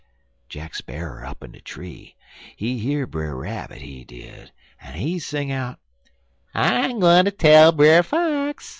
"Jack Sparrer up in de tree, he hear Brer Rabbit, he did, en he sing out: "'I'm gwine tell Brer Fox!